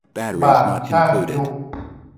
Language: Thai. บ่างช่างยุ